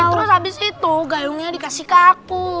terus habis itu gayungnya dikasih ke aku